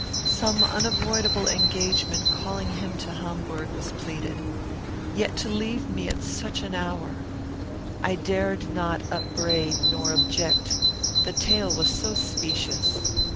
Some unavoidable engagement calling him to Hamburg was pleaded. Yet to leave me at such an hour! I dared not upbraid, nor object. The tale was so specious!